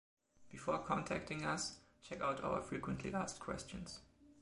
Before contacting us, check out our frequently asked questions.